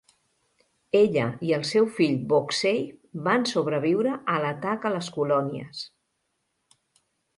Ella i el seu fill, Boxey, van sobreviure a l'atac a les colònies.